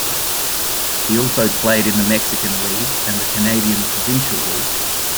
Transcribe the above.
He also played in the Mexican League, and the Canadian Provincial League.